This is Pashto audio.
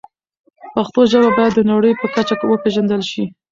پښتو ژبه باید د نړۍ په کچه وپیژندل شي.